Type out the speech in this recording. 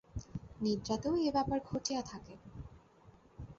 নিদ্রাতেও এই ব্যাপার ঘটিয়া থাকে।